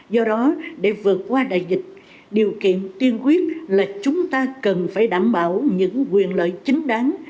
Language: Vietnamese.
do đó để vượt qua đại dịch điều kiện tiên quyết là chúng ta cần phải đảm bảo những quyền lợi chính đáng